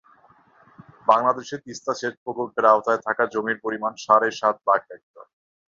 বাংলাদেশে তিস্তা সেচ প্রকল্পের আওতায় থাকা জমির পরিমাণ সাড়ে সাত লাখ হেক্টর।